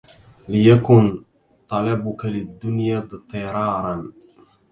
لِيَكُنْ طَلَبُك لِلدُّنْيَا اضْطِرَارًا